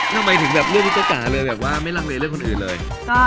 ทำไมถึงเลือกน้องจ๊ะจ่าเลยแบบว่าไม่ลังเลขเลือกคนอื่นเลย